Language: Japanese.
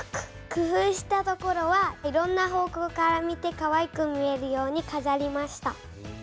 工夫したところはいろんな方向から見てかわいく見えるようにかざりました。